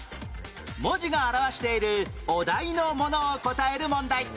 文字が表しているお題のものを答える問題